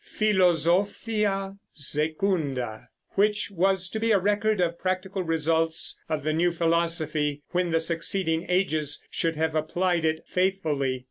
Philosophia Secunda, which was to be a record of practical results of the new philosophy when the succeeding ages should have applied it faithfully.